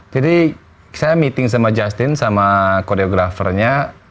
jadi saya meeting sama justin sama choreographernya